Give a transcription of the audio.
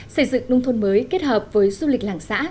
xây dựng nông thôn mới kết hợp với du lịch làng xã